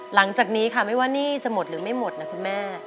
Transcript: หลังจากนี้ค่ะไม่ว่าหนี้จะหมดหรือไม่หมดนะคุณแม่